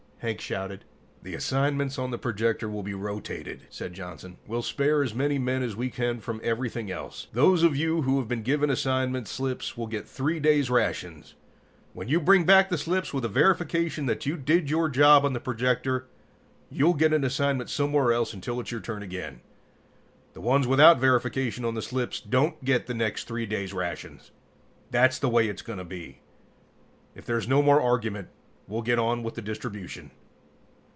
Hank shouted. "The assignments on the projector will be rotated," said Johnson. "We'll spare as many men as we can from everything else. Those of you who have been given assignment slips will get 3 days' rations. When you bring back the slips with a verification that you did your job on the projector you'll get an assignment somewhere else until it's your turn again. The ones without verification on the slips don't get the next 3 days' rations. That's the way it's going to be. If there's no more argument, we'll get on with the distribution.